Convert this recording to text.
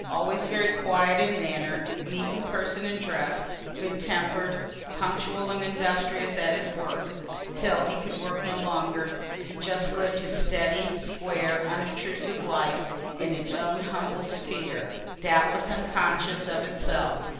Always very quiet in manner, neat in person and dress, good temper'd punctual and industrious at his work, till he could work no longer he just lived his steady, square, unobtrusive life, in its own humble sphere, doubtless unconscious of itself.